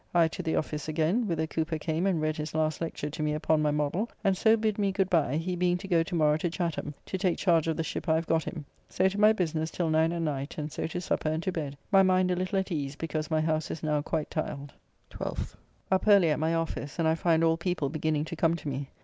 I to the office again, whither Cooper came and read his last lecture to me upon my modell, and so bid me good bye, he being to go to morrow to Chatham to take charge of the ship I have got him. So to my business till 9 at night, and so to supper and to bed, my mind a little at ease because my house is now quite tiled. 12th. Up early at my office, and I find all people beginning to come to me.